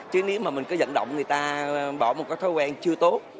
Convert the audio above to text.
chứ nếu mà mình có dẫn động người ta bỏ một cái thói quen chưa tốt